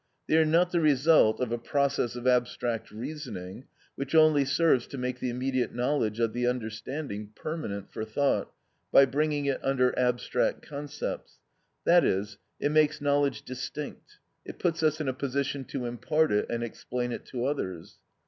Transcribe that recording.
They are not the result of a process of abstract reasoning, which only serves to make the immediate knowledge of the understanding permanent for thought by bringing it under abstract concepts, i.e., it makes knowledge distinct, it puts us in a position to impart it and explain it to others.